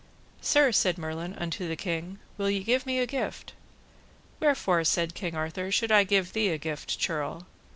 Sir, said Merlin unto the king, will ye give me a gift? Wherefore, said King Arthur, should I give thee a gift, churl?